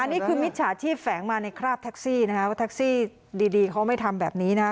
นี่คือมิจฉาชีพแฝงมาในคราบแท็กซี่นะฮะว่าแท็กซี่ดีเขาไม่ทำแบบนี้นะฮะ